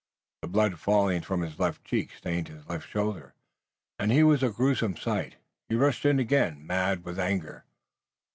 The blood falling from his left cheek stained his left shoulder and he was a gruesome sight. He rushed in again, mad with anger.